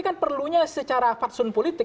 kan perlunya secara faksun politik